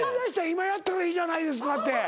今やったらいいじゃないですかって。